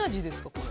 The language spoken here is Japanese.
これ。